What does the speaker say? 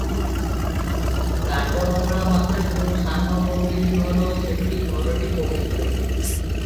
ଦାଣ୍ଡ ବଙ୍ଗଳା ପାଖରେ ଯେଉଁ ସାନ ଗମ୍ଭୀରି ଘର ସେହି ଘରଟି ପବିତ୍ର ।